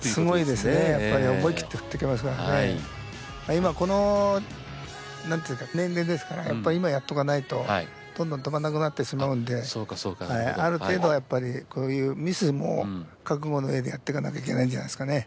今この年齢ですからやっぱり今やっとかないとどんどん飛ばなくなってしまうんである程度やっぱりこういうミスも覚悟のうえでやってかなきゃいけないんじゃないんですかね。